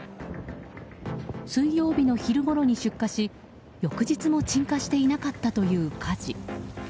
水曜日の昼ごろに出火し翌日も鎮火していなかったという火事。